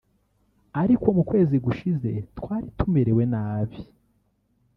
Ariko mu kwezi gushize twari tumerewe nabi